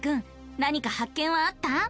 なにか発見はあった？